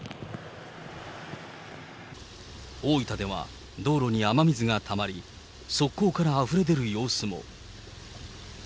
大分では道路に雨水がたまり、側溝からあふれ出る様子も。